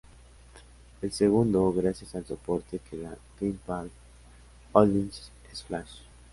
El segundo, gracias al soporte que da Game Park Holdings es Flash.